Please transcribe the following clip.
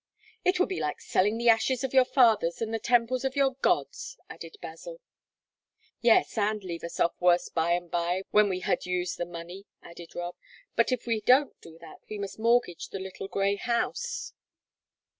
"It would be like selling 'the ashes of your fathers and the temples of your gods,'" added Basil. "Yes, and leave us worse off by and by, when we had used the money," added Rob. "But if we don't do that we must mortgage the little grey house."